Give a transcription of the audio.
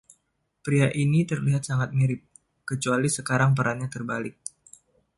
Pria ini terlihat sangat mirip, kecuali sekarang perannya terbalik.